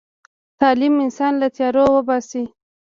تعلیم انسان له تیارو وباسي.